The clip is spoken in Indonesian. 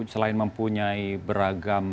selain mempunyai beragam